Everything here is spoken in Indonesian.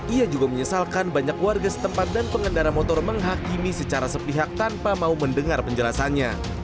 ia juga menyesalkan banyak warga setempat dan pengendara motor menghakimi secara sepihak tanpa mau mendengar penjelasannya